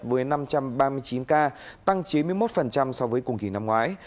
với năm trăm ba mươi chín ca tăng chín mươi một so với cùng kỳ năm ngoái